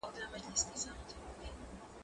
ته ولي سبزیجات وچوې!.